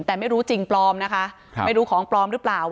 แต่ไม่รู้จริงปลอมนะคะไม่รู้ของปลอมหรือเปล่า